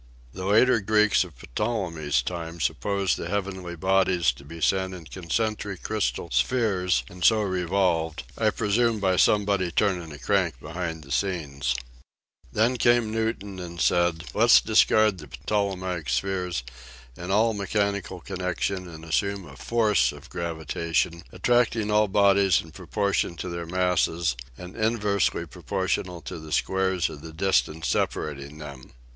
The later Greeks of Ptolemy*s time supposed the heavenly bodies, to be set in con centric crystal spheres and so revolved; I presume by somebody turning a crank behind the scenes. Then 76 EASY LESSONS IN EINSTEIN came Newton and said :" Let's discard the Ptolemaic spheres and all mechanical connection and assume a force of gravitation attracting all bodies in propor tion to their masses and inversely proportional to the squares of the distances separating them."